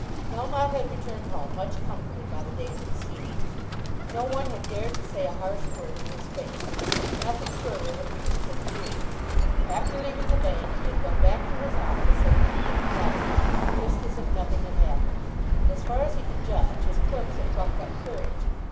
Melmotte had returned home much comforted by the day's proceedings. No one had dared to say a harsh word to his face. Nothing further had reached his ears. After leaving the bank he had gone back to his office, and had written letters, just as if nothing had happened; and, as far as he could judge, his clerks had plucked up courage.